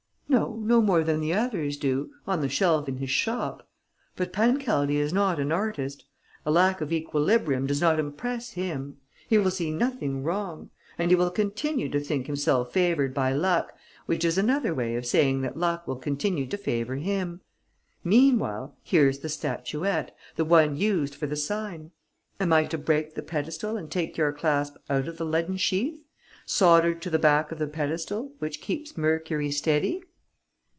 "No, no more than the others do, on the shelf in his shop. But Pancaldi is not an artist. A lack of equilibrium does not impress him; he will see nothing wrong; and he will continue to think himself favoured by luck, which is another way of saying that luck will continue to favour him. Meanwhile, here's the statuette, the one used for the sign. Am I to break the pedestal and take your clasp out of the leaden sheath, soldered to the back of the pedestal, which keeps Mercury steady?"